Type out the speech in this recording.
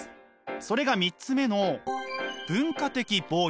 それが３つ目の文化的暴力。